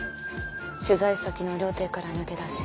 取材先の料亭から抜け出し。